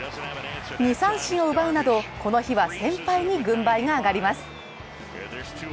２三振を奪うなどこの日は先輩に軍配が上がります。